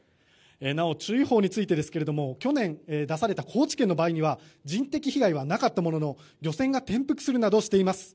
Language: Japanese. なお注意報についてですが去年出された高知県の場合には人的被害はなかったものの漁船が転覆するなどしています。